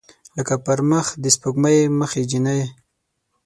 لکه پر مخ د سپوږمۍ مخې جینۍ